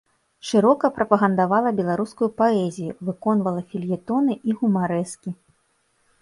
Шырока прапагандавала беларускую паэзію, выконвала фельетоны і гумарэскі.